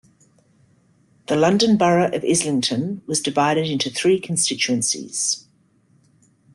The London Borough of Islington was divided into three constituencies.